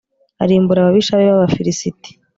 arimbura ababisha be b'abafilisiti